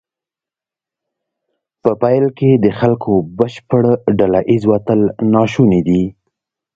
په پیل کې د خلکو بشپړ ډله ایز وتل ناشونی دی.